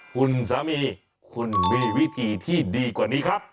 คุณสามีคุณมีวิธีที่ดีกว่านี้ครับ